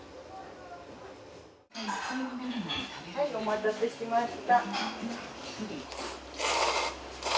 はいお待たせしました。